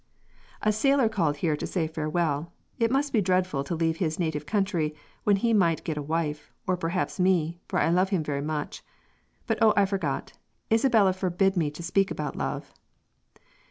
(!) "A sailor called here to say farewell; it must be dreadful to leave his native country when he might get a wife; or perhaps me, for I love him very much. But O I forgot, Isabella forbid me to speak about love."